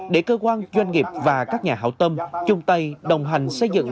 để cơ quan doanh nghiệp và các nhà hảo tâm chung tay đồng hành xây dựng